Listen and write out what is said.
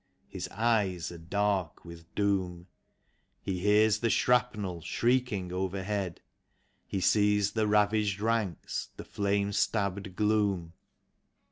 His eyes are dark with doom; He hears the shrapnel shrieking overhead; He sees the ravaged ranks, the flame stabbed gloom.